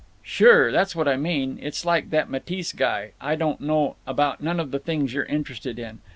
"Sure. That's what I mean. It's like that Matisse guy. I don't know about none of the things you're interested in.